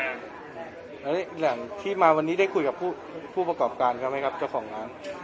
แล้วแหล่งที่มาวันนี้ได้คุยกับผู้ประกอบการเขาไหมครับเจ้าของร้าน